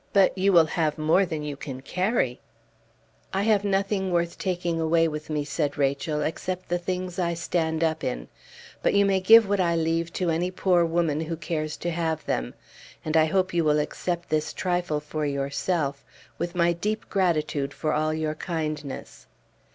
But you will have more than you can carry " "I have nothing worth taking away with me," said Rachel, "except the things I stand up in; but you may give what I leave to any poor woman who cares to have them. And I hope you will accept this trifle for yourself, with my deep gratitude for all your kindness."